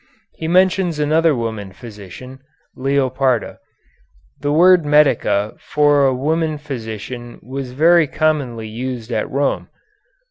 He mentions another woman physician, Leoparda. The word medica for a woman physician was very commonly used at Rome.